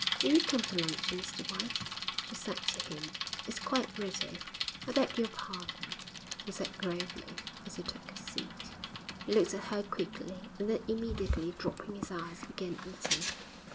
'Will you come to luncheon, Mr White?' she said to him. 'It is quite ready.' 'I beg your pardon,' he said gravely, as he took his seat. He looked at her quickly, and then immediately dropping his eyes, began eating.